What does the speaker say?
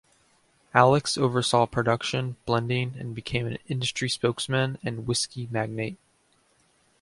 Alex oversaw production, blending, and became an industry spokesman and whisky magnate.